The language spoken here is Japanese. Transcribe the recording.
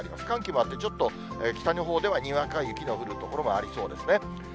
寒気もあって、ちょっと北のほうではにわか雪の降る所もありそうですね。